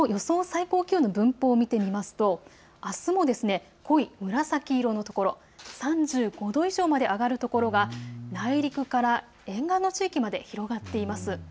最高気温の分布を見てみますとあすも濃い紫色の所、３５度以上まで上がる所が内陸から沿岸の地域まで広がっています。